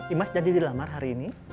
imas jadi dilamar hari ini